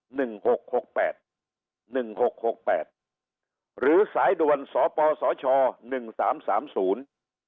หกหกแปดหนึ่งหกหกแปดหรือสายด่วนสปสชหนึ่งสามสามศูนย์